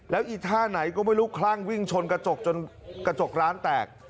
แล้วอีท่าไหนก็ไม่รู้คลั่งวิ่งชนกระจกจนกระจกร้านแตก